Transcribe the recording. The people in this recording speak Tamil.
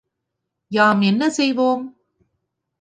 யாம் என் செய்வோம்?